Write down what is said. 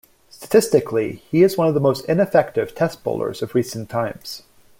Statistically, he is one of the most ineffective Test bowlers of recent times.